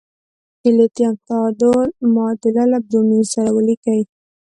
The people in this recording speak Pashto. د لیتیم تعامل معادله له برومین سره ولیکئ.